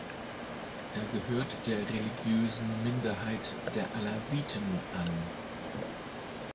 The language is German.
Er gehört der religiösen Minderheit der Alawiten an.